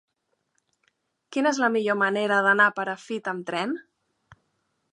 Quina és la millor manera d'anar a Perafita amb tren?